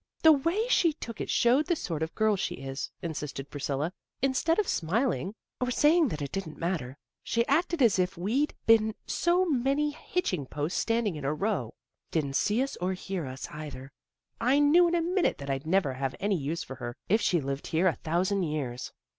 " The way she took it showed the sort of girl she is," insisted Priscilla. " Instead of smiling, or saying that it didn't matter, she acted as if we'd been so many hitching posts standing in a row. Didn't see us or hear us, either. I knew in a minute that I'd never have any use for her if she lived here a thousand years."